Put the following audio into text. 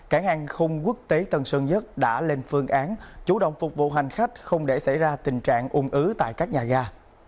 cảng an khung quốc tế tân sơn nhất đã lên phương án chủ động phục vụ hành khách không để xảy ra tình trạng ung ứ tại các nhà ga